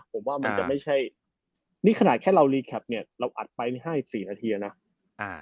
ผมว่ามันจะไม่ใช่นี่ขนาดแค่เราเนี้ยเราอัดไปห้ายสี่นาทีอ่ะน่ะอ่า